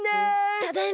ただいま。